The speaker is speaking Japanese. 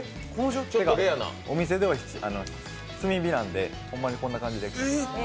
お店では炭火なんで、ほんまにこんな感じで。